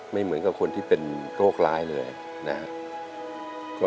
ไม่เหมือนกับคนที่เป็นโรคร้ายเลยนะครับ